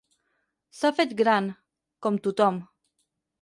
S'ha fet gran, com tothom.